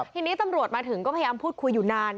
ทีนี้ตำรวจมาถึงก็พยายามพูดคุยอยู่นาน